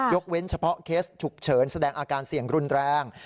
เว้นเฉพาะเคสฉุกเฉินแสดงอาการเสี่ยงรุนแรง